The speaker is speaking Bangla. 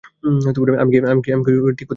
আমি কি ঠিক পথে এগুচ্ছি?